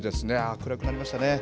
暗くなりましたね。